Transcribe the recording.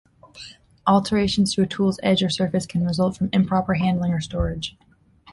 Alterations to a tool's edge or surface can result from improper handling or storage.